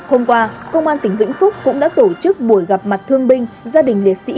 hôm qua công an tỉnh vĩnh phúc cũng đã tổ chức buổi gặp mặt thương binh gia đình liệt sĩ